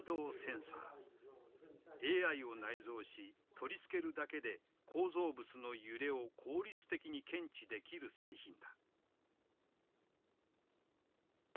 ＡＩを内蔵し取り付けるだけで構造物の揺れを効率的に検知できる製品だ。